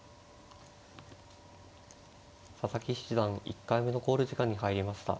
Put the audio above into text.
佐々木七段１回目の考慮時間に入りました。